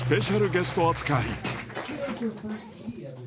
ゲスト扱い